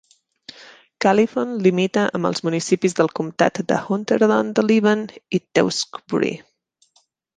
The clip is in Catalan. Califon limita amb els municipis del comtat de Hunterdon de Líban i Tewksbury.